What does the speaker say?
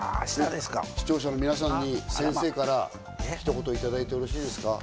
視聴者の皆さんに先生からひと言いただいてよろしいですか？